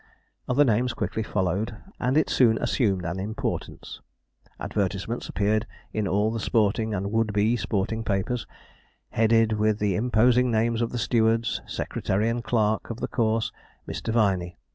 Other names quickly followed, and it soon assumed an importance. Advertisements appeared in all the sporting and would be sporting papers, headed with the imposing names of the stewards, secretary, and clerk of the course, Mr. Viney.